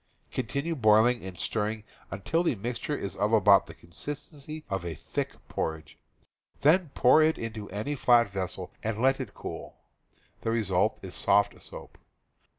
Continue boiling and stirring until the mixture is of about the consistency of thick porridge; then pour it into any flat vessel and let it TANNING PELTS 299 cool. The result is soft soap.